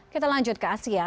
kita lanjut ke asia